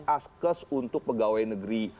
askes untuk pegawai negeri